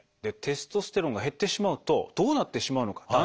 テストステロンが減ってしまうとどうなってしまうのか。